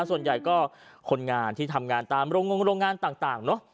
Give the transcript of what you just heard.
ส่วนใหญ่ก็คนงานที่ทำงานตามโรงงโรงงานต่างเนอะ